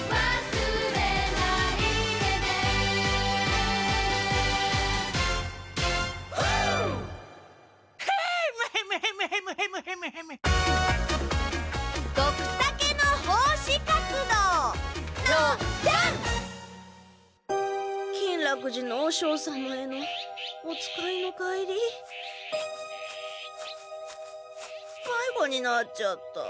まいごになっちゃった！